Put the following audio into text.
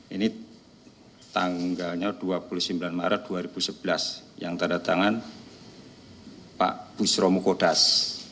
ini tanggalnya dua puluh sembilan maret dua ribu sebelas yang terdatangan pak busromu kodas